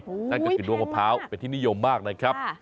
โอ้โฮแพงมากนั่นก็คือรวมกระเพราเป็นที่นิยมมากนะครับ